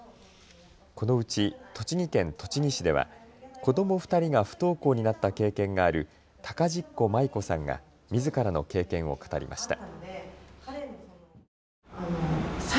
このうち栃木県栃木市では子ども２人が不登校になった経験がある高実子麻衣子さんがみずからの経験を語りました。